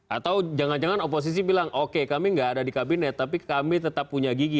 atau jangan jangan oposisi bilang oke kami nggak ada di kabinet tapi kami tetap punya gigi